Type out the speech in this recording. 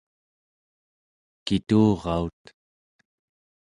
kituraut